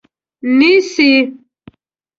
نیسي